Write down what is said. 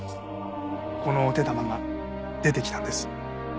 このお手玉が出てきたんです。